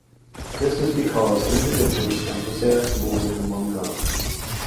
This is because individuals can possess more than one gun.